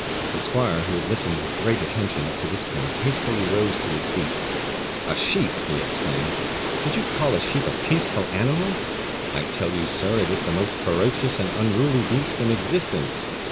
The squire, who had listened with great attention up to this point, hastily rose to his feet. "A sheep!" he exclaimed; "did you call a sheep a peaceful animal? I tell you, sir, it is the most ferocious and unruly beast in existence.